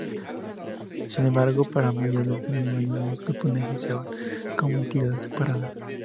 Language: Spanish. Sin embargo, para mayo de ese mismo año, ambos grupos negociaban como entidades separadas.